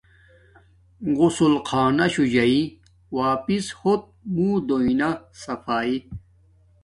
غسل خانا شو جاݵ واپس ہوت منہ دویݵ نا صفایݵ